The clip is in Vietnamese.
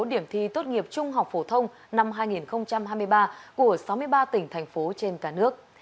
điểm thi tốt nghiệp trung học phổ thông năm hai nghìn hai mươi ba của sáu mươi ba tỉnh thành phố trên cả nước